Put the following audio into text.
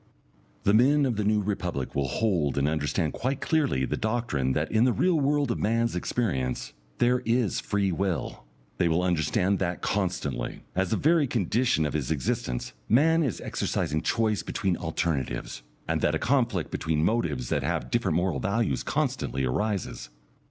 The men of the New Republic will hold and understand quite clearly the doctrine that in the real world of man's experience, there is Free Will. They will understand that constantly, as a very condition of his existence, man is exercising choice between alternatives, and that a conflict between motives that have different moral values constantly arises.